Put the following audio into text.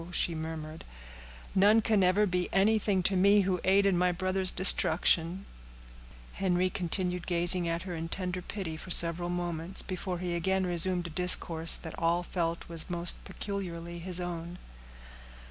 she murmured. "None can ever be anything to me who aid in my brother's destruction." Henry continued gazing at her in tender pity for several moments, before he again resumed a discourse that all felt was most peculiarly his own.